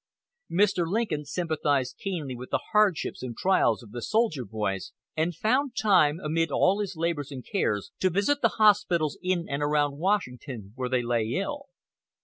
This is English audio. Mr. Lincoln sympathized keenly with the hardships and trials of the soldier boys, and found time, amid all his labors and cares, to visit the hospitals in and around Washington where they lay ill.